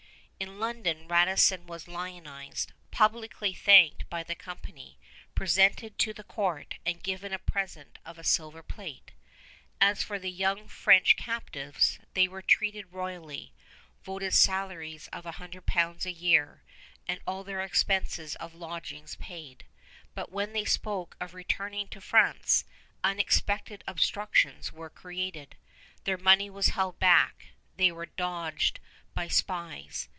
In London, Radisson was lionized, publicly thanked by the company, presented to the court, and given a present of silver plate. As for the young French captives, they were treated royally, voted salaries of 100 pounds a year, and all their expenses of lodgings paid; but when they spoke of returning to France, unexpected obstructions were created. Their money was held back; they were dogged by spies.